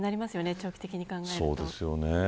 長期的に考えると。